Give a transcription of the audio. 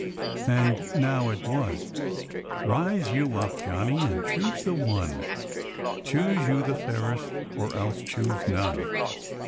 And now it was : Rise you up, Johnny, and choose you the one— Choose you the fairest, or else choose none!